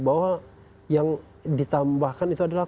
bahwa yang ditambahkan itu adalah